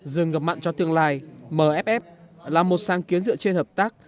dừng ngập mặn cho tương lai mff là một sáng kiến dựa trên hợp tác